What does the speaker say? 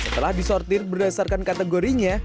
setelah disortir berdasarkan kategorinya